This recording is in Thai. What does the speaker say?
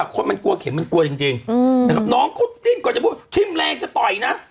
คนมันกลัวเข็มมันกลัวจริงน้องก็ติ้นกว่าจะพูดชิ้นแรงจะต่อยนะ